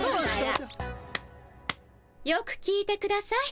よく聞いてください。